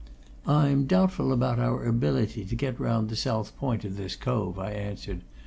"I'm doubtful about our ability to get round the south point of this cove," I answered.